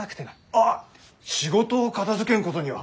ああ仕事を片づけんことには。